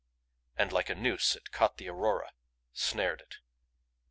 And like a noose it caught the aurora, snared it!